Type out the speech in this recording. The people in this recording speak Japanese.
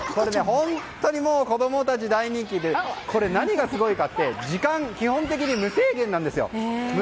本当に子供たちに大人気で何がすごいかって時間は基本的に無制限なんですよ。